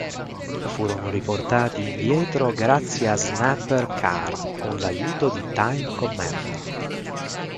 Furono riportati indietro grazie a Snapper Carr con l'aiuto di Time Commander.